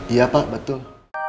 iya pak betul